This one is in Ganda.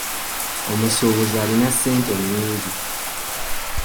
Omusuubuzi alina ssente nnyingi.